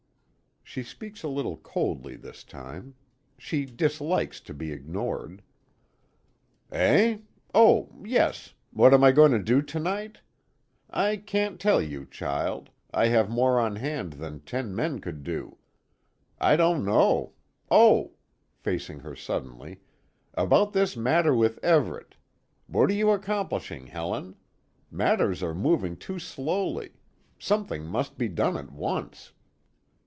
She speaks a little coldly this time. She dislikes to be ignored. "Eh? Oh! Yes! What am I going to do to night? I can't tell you, child, I have more on hand than ten men could do. I don't know. Oh!" facing her suddenly "about this matter with Everet! What are you accomplishing, Helen? Matters are moving too slowly. Something must be done at once."